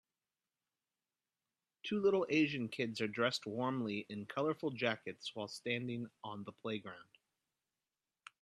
Two little Asian kids are dressed warmly in colorful jackets while standing on the playground